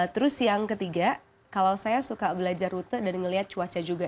terus yang ketiga kalau saya suka belajar rute dan ngelihat cuaca juga